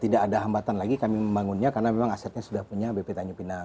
tidak ada hambatan lagi kami membangunnya karena memang asetnya sudah punya bp tanjung pinang